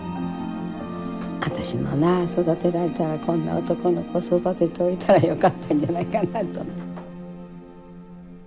私もまあ育てられたらこんな男の子育てておいたらよかったんじゃないかなと。